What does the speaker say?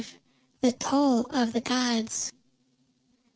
THE TOLL OF THE GODS.